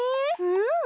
うん。